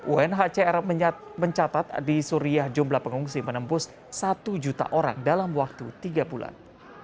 unhcr mencatat di suria jumlah pengungsi menembus satu juta orang dalam waktu tiga bulan